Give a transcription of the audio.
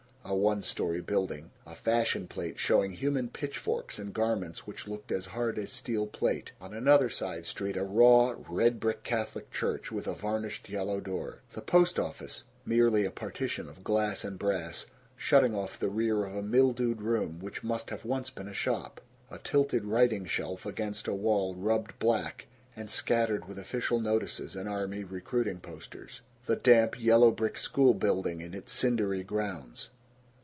A one story building. A fashion plate showing human pitchforks in garments which looked as hard as steel plate. On another side street a raw red brick Catholic Church with a varnished yellow door. The post office merely a partition of glass and brass shutting off the rear of a mildewed room which must once have been a shop. A tilted writing shelf against a wall rubbed black and scattered with official notices and army recruiting posters. The damp, yellow brick schoolbuilding in its cindery grounds.